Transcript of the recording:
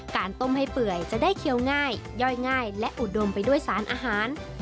การต้มให้เปื่อยจะได้เคี้ยวง่ายย่อยง่ายและอุดมไปด้วยสารอาหาร